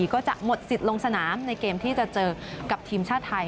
ก็จะหมดสิทธิ์ลงสนามในเกมที่จะเจอกับทีมชาติไทย